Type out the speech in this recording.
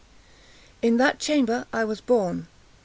In that chamber was I born.